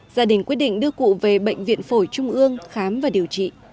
gia đình quyết định đưa cụ về bệnh viện phổi trung ương khám và điều trị